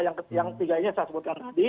yang tiga ini yang saya sebutkan tadi